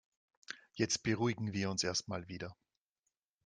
Jetzt beruhigen wir uns erst mal wieder.